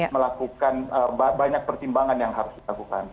melakukan banyak pertimbangan yang harus kita lakukan